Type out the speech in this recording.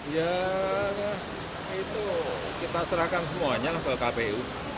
ya itu kita serahkan semuanya ke kpu